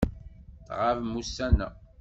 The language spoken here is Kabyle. Tɣabem ussan-a.